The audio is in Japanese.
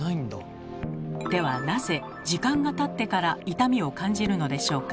ではなぜ時間がたってから痛みを感じるのでしょうか？